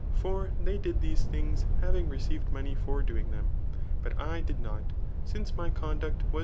For they did these things, havmg received money^r doing diem ] but I did not} since my conduct was.